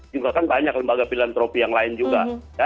juga kan banyak lembaga filantropi yang lain juga